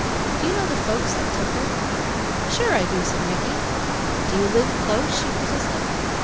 "Do you know the folks that took her?" "Sure I do!" said Mickey. "Do you live close?" she persisted.